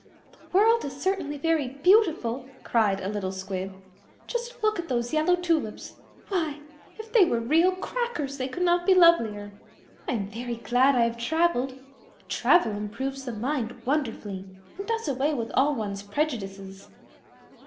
"The world is certainly very beautiful," cried a little Squib. "Just look at those yellow tulips. Why! if they were real Crackers they could not be lovelier. I am very glad I have travelled. Travel improves the mind wonderfully, and does away with all one's prejudices."